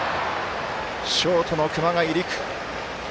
ショートの熊谷陸。